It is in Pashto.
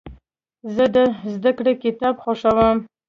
زه د زدهکړې کتاب خوښوم.